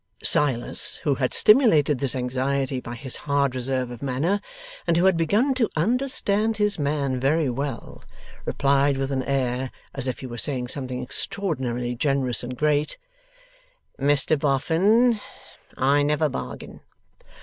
Silas, who had stimulated this anxiety by his hard reserve of manner, and who had begun to understand his man very well, replied with an air; as if he were saying something extraordinarily generous and great: 'Mr Boffin, I never bargain.